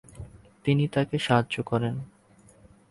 তিনি তাকে সাহায্য করেন।